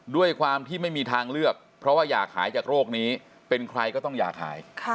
ด้วยความที่ไม่มีทางเลือกเพราะว่าอยากหายจากโรคนี้เป็นใครก็ต้องอยากหาย